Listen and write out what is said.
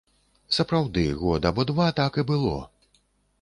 Сапраўды, год або два так і было.